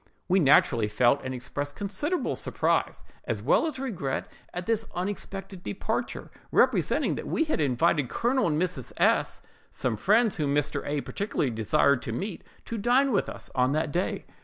"We naturally felt and expressed considerable surprise, as well as regret at this unexpected departure; representing that we had invited Colonel and Mrs. S——, some friends whom Mr. A—— particularly desired to meet, to dine with us on that day.